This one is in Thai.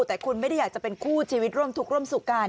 แต่คุณไม่ได้อยากจะเป็นคู่ชีวิตร่วมทุกข์ร่วมสุขกัน